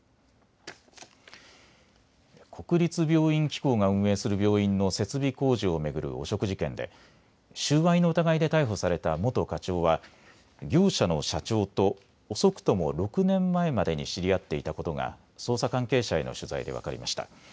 国立病院機構が運営する病院の設備工事を巡る汚職事件で収賄の疑いで逮捕された元課長は業者の社長と遅くとも６年前までに知り合っていたことが捜査関係者への取材で分かりました。